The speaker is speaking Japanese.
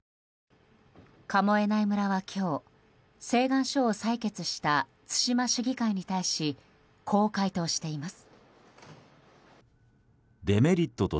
神恵内村は今日請願書を採決した対馬市議会に対しこう回答しています。